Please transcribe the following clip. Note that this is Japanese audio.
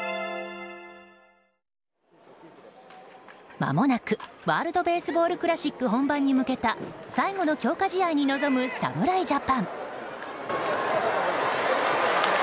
まもなくワールド・ベースボール・クラシック本番に向けた最後の強化試合に臨む侍ジャパン。